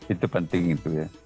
itu penting gitu ya